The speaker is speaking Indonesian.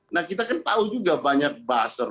nah kita kan tahu juga banyak buzzer